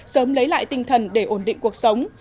sớm lấy lại tinh thần để ổn định cuộc sống